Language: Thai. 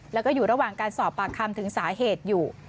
แล้วก็อยู่ระหว่างการสอบปากคำถึงสาเหตุอยู่